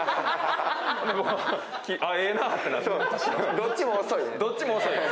どっちも遅い。